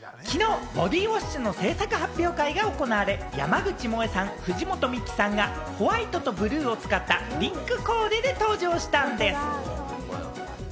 きのうボディウォッシュの製品発表会が行われ、山口もえさん、藤本美貴さんがホワイトとブルーを使ったリンクコーデで登場したんでぃす！